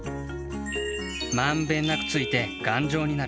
まんべんなくついてがんじょうになる。